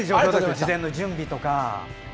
事前の準備とか。